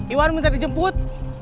iwan minta dijemput